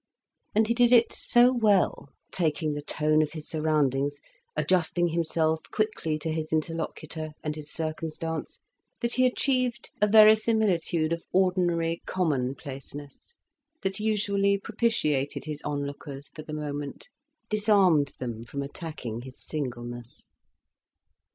And he did it so well, taking the tone of his surroundings, adjusting himself quickly to his interlocutor and his circumstance, that he achieved a verisimilitude of ordinary commonplaceness that usually propitiated his onlookers for the moment, disarmed them from attacking his singleness.